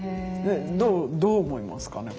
どう思いますかね？